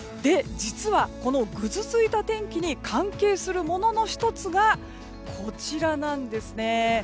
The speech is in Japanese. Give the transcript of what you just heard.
実は、このぐずついた天気に関係するものの１つがこちらなんですね。